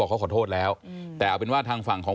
เขาขอโทษแล้วแต่เอาเป็นว่าทางฝั่งของ